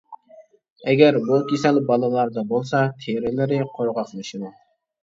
ئەگەر بۇ كېسەل بالىلاردا بولسا تېرىلىرى قۇرغاقلىشىدۇ.